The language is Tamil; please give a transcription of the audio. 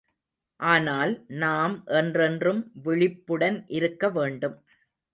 ஆனால், நாம் என்றென்றும் விழிப்புடன் இருக்க வேண்டும்.